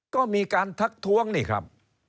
ก็มีการทักท้วงนี่ครับ